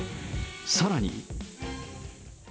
さらに。